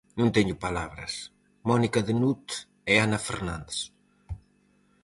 Non teño palabras... Mónica de Nut e Ana Fernández.